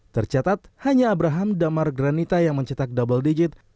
tercatat hanya abraham damar granita yang mencetak double digit